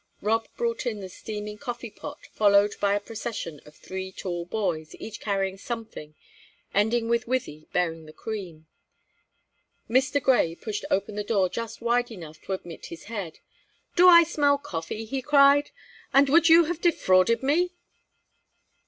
Rob brought in the steaming coffee pot, followed by a procession of three tall boys, each carrying something, ending with Wythie bearing the cream. Mr. Grey pushed open the door just wide enough to admit his head. "Do I smell coffee?" he cried. "And would you have defrauded me?"